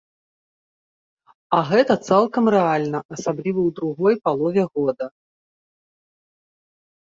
А гэта цалкам рэальна, асабліва ў другой палове года.